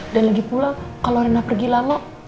dan lagi pula kalau rena pergi lama